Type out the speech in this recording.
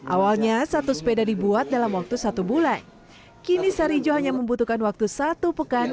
awalnya satu sepeda dibuat dalam waktu satu bulan kini sarijo hanya membutuhkan waktu satu pekan